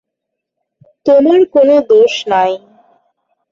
তােমার কোন দোষ নাই।